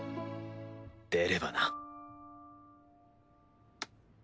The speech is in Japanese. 出ればな。